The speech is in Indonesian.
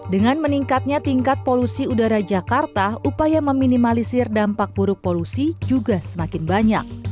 dengan meningkatnya tingkat polusi udara jakarta upaya meminimalisir dampak buruk polusi juga semakin banyak